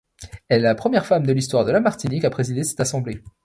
Elle est la première femme de l'histoire de la Martinique à présider cette assemblée.